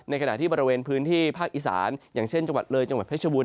ขณะที่บริเวณพื้นที่ภาคอีสานอย่างเช่นจังหวัดเลยจังหวัดเพชรบูร